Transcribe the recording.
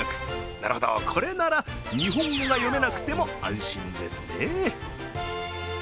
なるほど、これなら日本語が読めなくても安心ですね。